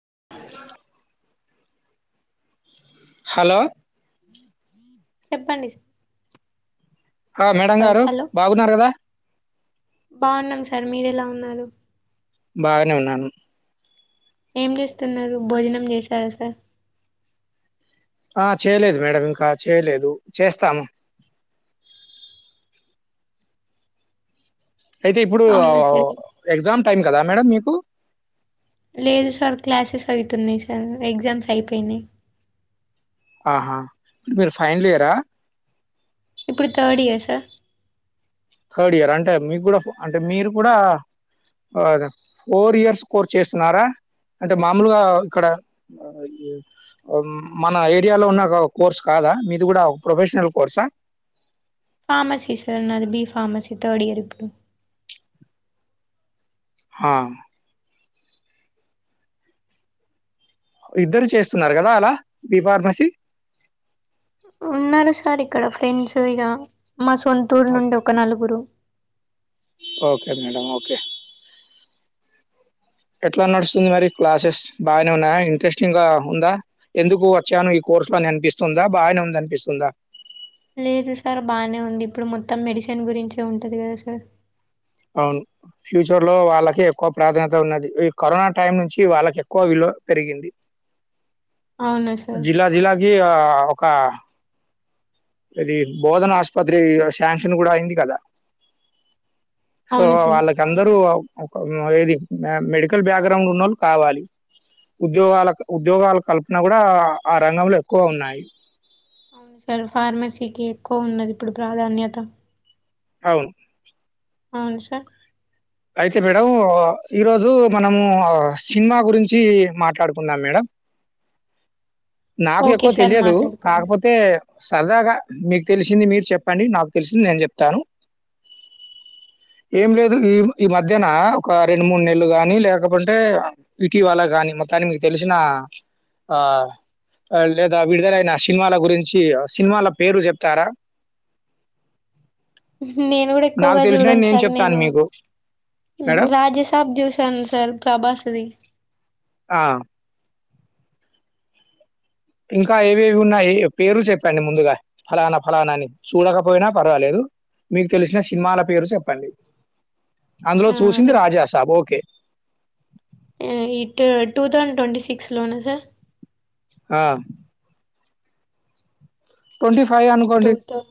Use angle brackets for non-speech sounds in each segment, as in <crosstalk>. <inaudible> Hello చెప్పండి స్ ఆ మేడం గారు, బాగున్నారు కదా? బాన్నాం సార్, మీరెలా ఉన్నారు? బాగానే ఉన్నాను. ఏం చేస్తున్నారు? భోజనం జేశారా సార్? ఆ చేయలేదు మేడం ఇంకా చేయలేదు చేస్తాను. అయితే ఇప్పుడు ఆ అవునా సరే ఎగ్జామ్ టైమ్ కదా మేడం మీకు? లేదు సార్ క్లాసెస్ ఐతున్నాయి సార్. ఎగ్జామ్స్ అయిపోయినాయి. ఆహా! మీరు ఫైన్లీయరా? ఇప్పుడు third year sir. Third year అంటే మీకు గూడా అంటే మీరు గూడా అదే ఫోర్ ఇయర్స్ కోర్స్ చేస్తున్నారా? అంటే మామూలుగా ఇక్కడ అ <unintelligible> అం మన ఏరియాలో ఉన్న ఒక కోర్స్ కాదా మీది కూడా ఒక ప్రొఫెషనల్ కోర్సా? ఫార్మసీ సార్ నాది బి ఫార్మసీ, థర్డ్ ఇయర్ ఇపుడు. హా ఇద్దరు చేస్తున్నారు కదా అలా? బి ఫార్మసీ ఉన్నారు సార్ ఇక్కడ ఫ్రెండ్స్ ఇక మా సొంతూరు నుండి ఒక నలుగురు. ఓకే మేడం ఓకే ఎట్లా నడుస్తుంది మరి క్లాసెస్? బాగానే ఉన్నాయా? ఇంట్రెస్టింగ్ గా ఉందా? ఎందుకు వచ్చాను ఈ కో <unintelligible> అనిపిస్తుందా బాగానే ఉంది అనిపిస్తుందా? లేదు సార్ బానే ఉంది. ఇప్పుడు మొత్తం మెడిసిన్ గురించే ఉంటుంది కద సార్. అవున్ ఫ్యూచర్ లో వాళ్ళకి ఎక్కువ ప్రాధాన్యత ఉన్నది. ఈ కరోనా టైం నుంచి వాళ్ళకి ఎక్కువ విలువ పెరిగింది అవునా సార్ జిల్లా జిల్లాకి ఆ ఒకా ఇది బోధన ఆస్పత్రి శాంక్షన్ కూడా అయింది కదా? సో అవును సార్ వాళ్ళక మన అందరు ఒక ఏది మెడికల్ బ్యాక్గ్రౌండ్ ఉన్నోళ్ళు కావాలి ఉద్యోగాల ఉద్యోగాల కల్పన కూడా, ఆ రంగంలో ఎక్కువ ఉన్నాయి. అవును సార్ ఫార్మసీకి ఎక్కువ ఉన్నది ఇప్పుడు ప్రాధాన్యత అవును అవున్ సర్ అయితే మేడం ఈరోజు మనము సినిమా గురించి మాట్లాడుకుందాం మేడం నాకు ఓకే ఎక్కువ సార్ తెలియదు మాట్లాడుకుందాం కాకపోతే సరదాగా మీకు తెలిసింది మీరు చెప్పండి నాకు తెలిసింది నేను చెప్తాను ఏం లేదు ఈ ఈ మధ్యన ఒక రెండు మూడు నెల్లు గాని లేకపోంటే ఇటీవల గా మొతానికి తెలిసిన ఆ లేదా విడుదలైన సినిమాల గురించి సినిమాల పేర్లు జెప్తారా <inaudible> ఉమ్ నేను గూడ ఎక్కువగా జూడన్ సార్ చెప్తాను నేను మీకు. ఉం మేడం? రాజసబ్ జూసాన్ సార్ ప్రభాస్ది ఆ ఇంకా ఏవేవి ఉన్నాయి పేర్లు చెప్పండి ముందుగా ఫలానా ఫలానాని చూడకపోయినా పర్వాలేదు మీకు తెలిసిన సినిమాల పేరు చెప్పండి అందులో ఆ చూసింది ఎప్- రాజాసాబ్ ఓకే ఇటు టూ త్వోథౌసండ్ ట్వంటీ సక్స్ లోన సార్ ఆ ట్వంటీ ఫైవ్ టూ అనుకోండి thou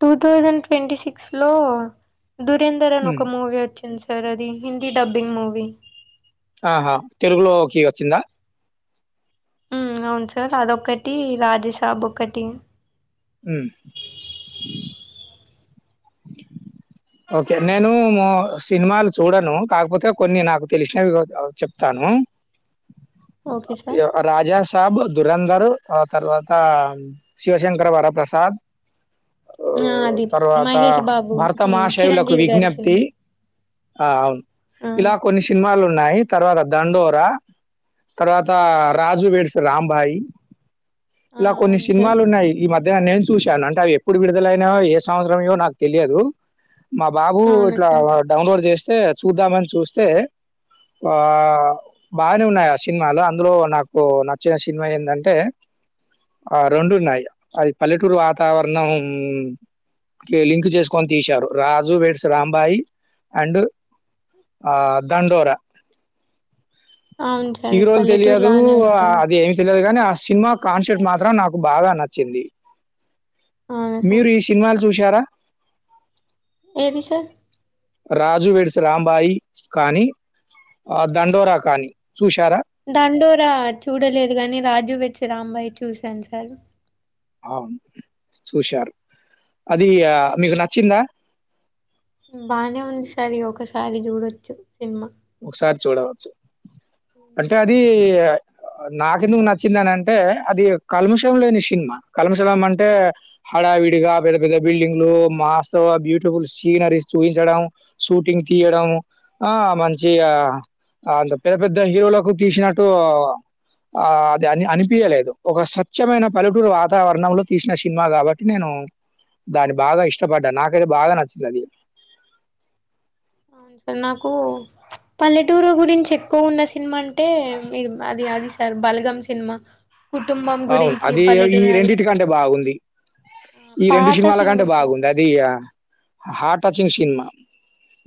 two thousand twenty six లో దురేందర్ అన్ ఉమ్, ఒక మూవీ వచ్చింది సార్ సరే అది హిందీ డబ్బింగ్ మూవి ఆహా తెలుగులోకి వచ్చిందా అవును సార్ అదొకటి రాజషాబ్ ఒకటి హ్మ్మ్ ఓకే నేను సినిమాలు చూడను కాకపోతే కొన్ని నాకు తెలిసినవి చెప్తాను ఓకే సార్ రాజా సబ్ దురంధర్ ఆ తర్వాత శివశంకర్ వరప్రసాద్ ఆ అది తర్వాత మహేష్ బాబు భరత ని- మహాశైవులకు చిరంజీవి గారి విజ్ఞప్తి సినిమా ఆ అవును ఆ, ఇలా కొన్ని సినిమాలు ఉన్నాయి తర్వాత దండోర తర్వాత రాజు వెడ్స్ రాంబాయి ఆ, ఇలా కొన్ని అవును సార్ సినిమాలు ఉన్నాయి ఈ మధ్య నేను చూశాను అంటే అవి ఎప్పుడు విడుదలైనయో ఏ సంవత్సరమయో నాకు తెలియదు మా బాబు అవును ఇట్లా సార్ డౌన్లోడ్ చేస్తే చూద్దామని చూస్తే ఆ బాగానే ఉన్నాయి ఆ సినిమాలు అందులో నాకు నచ్చిన సినిమా ఏంటంటే ఆ రెండున్నాయి అవి పల్లెటూరు వాతావరణం లింక్ చేసుకొని తీసారు రాజు వెడ్స్ రాంబాయి అండ్ ఆ దాండోరా అవును సార్ హీరోలు పల్లెటూరు తెలియదు లానే ఉంటది అది ఏమి తెలిదు కాని అ సినిమా కాన్సెర్ట్ మాత్రం నాకు బాగా నచ్చింది అవును సార్ మీరు ఈ సినిమాలు చూసారా ఏది సార్ రాజు వెడ్స్ రాంబాయి కానీ ఆ దండోరా కానీ చూశారా దండోరా చూడలేదు గాని రాజు వెడ్స్ రాంబాయి చూశాను సార్ అవును చూశారు అది మీకు నచ్చిందా బానే ఉంది సరి ఒకసారి చూడొచ్చు సినిమా ఒకసారి చూడవచ్చు అంటే అది నాకెందుకు నచ్చింది అని అంటే అది కల్ముషం లేని సినిమా కల్మశలం అంటే హడా విడిగా పెద్ద పెద్ద బిల్డింగ్లు మాస్త బ్యూటిఫుల్ సీనరీస్ చూబిన్చడం షూటింగ్ తీయడం డం ఆ మంచి అంత పెద్ద పెద్ద హీరోలకు తీసినట్టు ఆ అది అని అనిపియలేదు ఒక సత్యమైన పల్లెటూరు వాతావరణంలో తీసిన సినిమా కాబట్టి నేను దాన్ని బాగా ఇష్టపడ్డాడు నాకైతే బాగా నచ్చింది అది సరే నాకు పల్లెటూరు గురించి ఎక్కువ ఉన్న సినిమా అంటే అది అది సార్ బలగం సినిమా కుటుంబం అవును గురించి అది ఈ పల్లెటూరు అది రెండింటి కంటే బాగుంది ఆ! ఈ రెండు పాత సినిమాల కంటే సినిమా సార్ బాగుంది అది హార్ట్ టచింగ్ సినిమా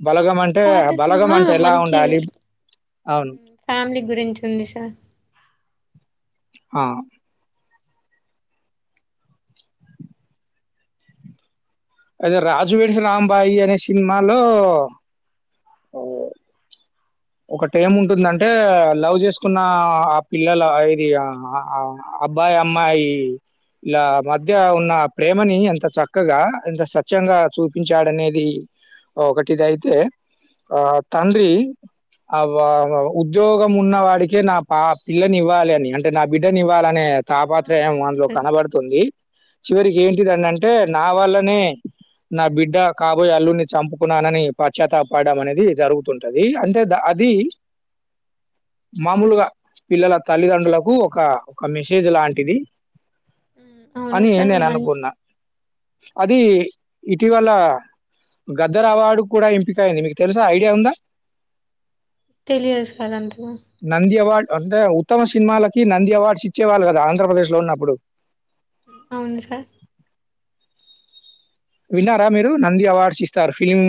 బలగం అంటే పాత బలగం సినిమా అంటే ఎలా మంచి ఉండాలి అవును. ఫ్యామిలీ గురించి ఉంది సార్ ఆ అయితే రాజు వెడ్స్ రాంబాయి అనే సినిమా లో ఓ ఒకటి ఏముంటుందంటే లవ్ చేసుకున్న ఆ పిల్లల ఇది ఆ ఆ అబ్బాయి అమ్మాయి ఇలా మధ్య ఉన్న ప్రేమని ఎంత చక్కగా ఎంత స్వచ్ఛంగా చూపించాడనేది ఒకటిదైతే ఆ తండ్రి ఆ వ వా ఉద్యోగం ఉన్న వాడికే నా పా పిల్లని ఇవ్వాలి అని అంటే నా బిడ్డని ఇవ్వాలనే ఆ! తాపాత్రయం అవును అందులో సార్ కనబడుతుంది చివరికి ఏంటిదనింటే నా వల్లనే నా బిడ్డ కాబోయే అల్లున్నీ చంపుకున్నానని పచ్చాతప్ పడడం అనేది జరుగుతుంటది అంటే ద అది మామూలుగా పిల్లల తల్లిదండ్రులకు ఒక ఒక మెసేజ్ లాంటిది హ్మ్. అవును అని సార్ నేను మ అనుకున్నా అది ఇటీవల గద్దర్ అవార్డు కూడా ఎంపిక అయింది మీకు తెలుసా ఐడియా ఉందా తెలియదు సార్ అంత నంది అవార్డ్ అంటే ఉత్తమ సినిమాలకి నంది అవార్డ్స్ ఇచ్చేవాళ్ళు కదా ఆంధ్రప్రదేశ్ లో ఉన్నప్పుడు అవును సార్ విన్నారా మీరు నంది అవార్డ్స్ ఇస్తారు ఫిలిం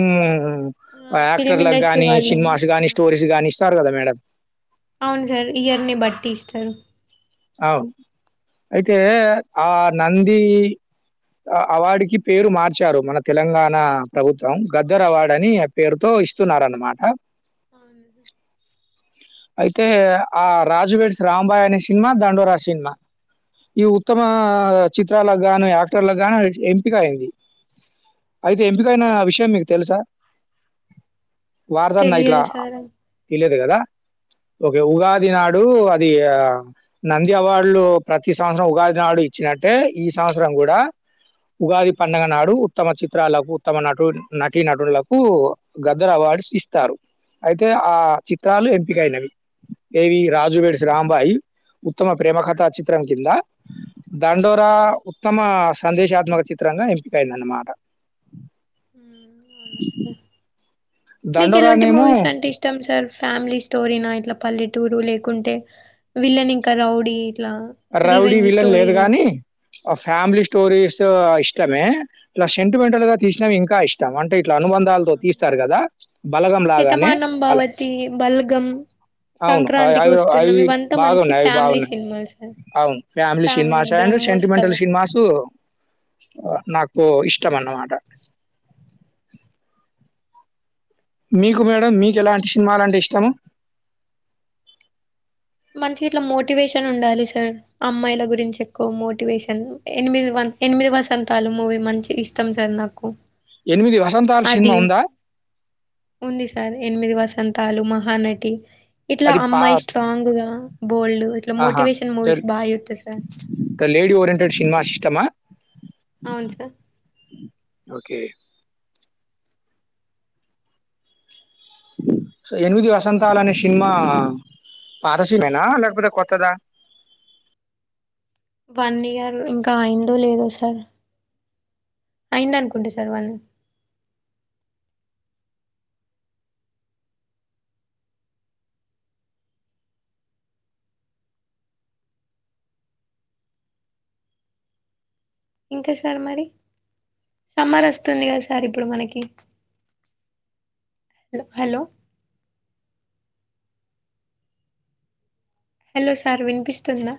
ఫిలిం యాక్టర్ల ఇండస్ట్రీ గానీ వాళ్ళు సినిమాస్ గానీ స్టోరీస్ గాని ఇస్తారు కదా మేడం అవును సార్ ఇయర్ని బట్టి ఇస్తారు అవును అయితే ఆ నంది ఆ అవార్డు కి పేరు మార్చారు మన తెలంగాణ ప్రభుత్వం గద్దరు అవార్డు అని పేరుతో ఇస్తున్నారనమాట అవునా సార్ అయితే ఆ రాజు వెడ్స్ రాంబాయ్ అనే సినిమా దండోరా సినిమా ఈ ఉత్తమ చిత్రాలకు గాను యాక్టర్లకు గాని ఎంపిక అయింది అయితే ఎంపికైన విషయం మీకు తెలుసా వారిదన్న ఇట్ల తెలియదు సార్ అది తెలియ కదా ఓకే ఉగాది నాడు అది ఆ నంది అవార్డులు ప్రతి సంవత్సరం ఉగాది నాడు ఇచ్చినట్టే ఈ సంవత్సరం కూడా ఉగాది పండగ నాడు ఉత్తమ చిత్రాలకు ఉత్తమ నటు నటి నటులకు గద్దర వ వార్డ్స్ ఇస్తారు అయితే ఆ చిత్రాలు ఎంపికైనవి ఏవి రాజు వెడ్స్ రాంబాయి ఉత్తమ ప్రేమ కథా చిత్రం కింద దండోరా ఉత్తమ సందేశాత్మక చిత్రంగా ఎంపికైందన్నమాట ఉమ్ అవునా సార్ మీకు ఎలాంటి 'దండోరా'నేమో మూవీస్ అంటే ఇష్టం సార్ ఫ్యామిలీ స్టోరీనా ఇట్లా పల్లెటూరు లేకుంటే విలన్ ఇంకా రౌడీ ఇట్లా రౌడీ రివెంజ్ విలన్ లేదు స్టోరీలు కాని ఫ్యామిలీ స్టోరీస్ ఇష్టమే ప్లస్ సెంటిమెంటల్ గా తీసినవి ఇంకా ఇష్టం అంటే ఇట్లా అను బందాలతో తీస్తారు కదా శతమానంబవతి బల్గం అవును. అవి సంక్రాంతికి అవి అవి వస్తున్నాం ఇవంతా మంచి బాగున్నాయి. అవి ఫ్యామిలీ బాగున్నాయి. సినిమాస్ సార్ అవును family cinemas and sentimental cinemas నా కు ఇష్టం అనమాట మీకు మేడం మీకు ఎలాంటి సినిమాలంటే ఇష్టము మంచి ఇట్లా మోటివేషన్ ఉండాలి సార్ అమ్మాయిల గురించి ఎక్కువ మోటివేషన్ ఎనిమిది వ ఎనిమిది వసంతాలు మూవీ మంచి ఇష్టం సార్ నాకు 'ఎనిమిది వసంతాలు' అది సినిమా ఉందా? ఉంది సార్ ఎనిమిది వస్ అంతాలు మహానటి ఇట్లా అది పా అమ్మాయి స్ట్రాంగ్ గా బోల్డ్ ఇట్లా ఆహా! మోటివేషన్ ద మూవీస్ బాగా చుత్తా సార్ ట్ సినిమా సిస్టమ్ అవును సార్ ఓకే ఏనిమిది వసంతాలనే సినిమా పారసీ మేనా లేకపోతే కత్తదా వన్ ఇయర్ ఇంకా అయిందో లేదో సార్ అయిందనుకుంటే సార్ వాళ్ళు ఇంకా సార్ మరి సమ్మర్ వస్తుంది కదా సార్ ఇప్పుడు మనకి హలో హలో సార్ వినిపిస్తుంద